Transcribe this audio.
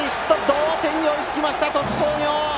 同点に追いついた、鳥栖工業！